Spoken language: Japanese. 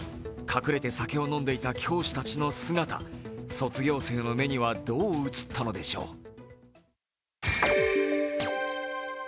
隠れて、酒を飲んでいた教師たちの姿卒業生の目にはどう映ったのでしょう。